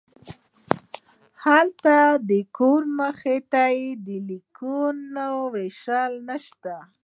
هلته د کور مخې ته د لیکونو ویشل نشته